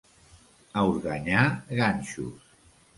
A Organyà, ganxos.